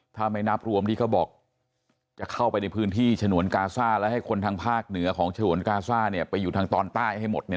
ถ้าไม่นับรวมที่เขาบอกจะเข้าไปในพื้นที่ฉนวนกาซ่าและให้คนทางภาคเหนือของฉนวนกาซ่าเนี่ยไปอยู่ทางตอนใต้ให้หมดเนี่ย